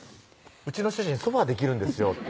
「うちの主人ソファーできるんですよ」